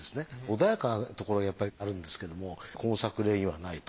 穏やかなところがやっぱりあるんですけれどもこの作例にはないと。